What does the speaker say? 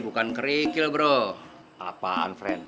bukan kerikil bro apaan friend